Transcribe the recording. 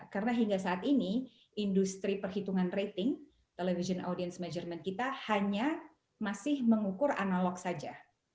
karena hingga saat ini industri perhitungan rating television audience measurement kita hanya masih mengukur analog saja